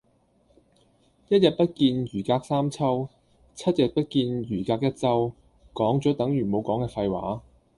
一日不見如隔三秋，七日不見如隔一周，講咗等如冇講嘅廢話